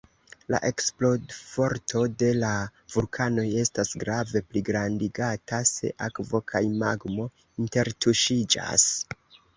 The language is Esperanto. La eksplodforto de la vulkanoj estas grave pligrandigata, se akvo kaj magmo intertuŝiĝas.